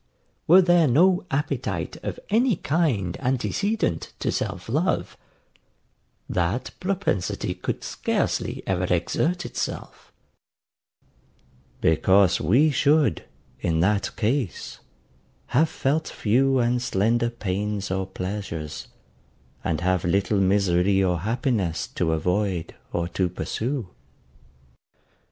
Were there no appetite of any kind antecedent to self love, that propensity could scarcely ever exert itself; because we should, in that case, have felt few and slender pains or pleasures, and have little misery or happiness to avoid or to pursue.